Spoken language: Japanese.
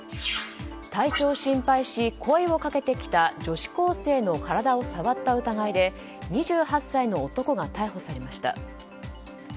体調を心配し声をかけてきた女子高生の体を触った疑いで２８歳の男が逮捕されました。